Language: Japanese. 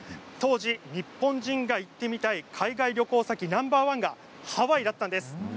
当時、日本人が行ってみたい海外旅行先ナンバー１がハワイだったんです。